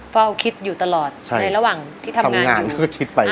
เฝ้าคิดอยู่ตลอดในระหว่างที่ทำงานก็คิดไป